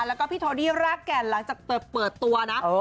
แล้วก็พี่โทดี้รากแก่นหลังจากเปิดตัวนะ